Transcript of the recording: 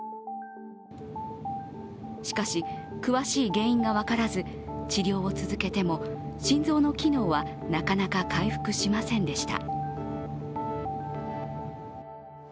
しかし、詳しい原因が分からず治療を続けても心臓の機能はなかなか回復しませんでした。